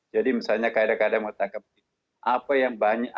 jadi misalnya keadaan keadaan menetangkap itu